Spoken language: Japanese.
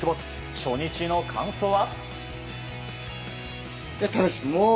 初日の感想は？